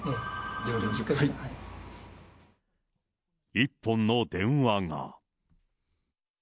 １本の電話が。